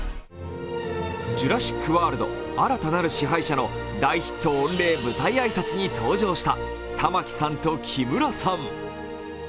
「ジュラシック・ワールド／新たなる支配者」の大ヒット御礼舞台挨拶に登場した玉木さんと木村さん。